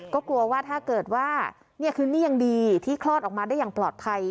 ก็กลัวว่าถ้าเกิดว่านี่คือนี่ยังดีที่คลอดออกมาได้อย่างปลอดภัย